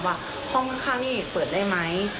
ว่าห้องข้างนี่เปิดได้ไหม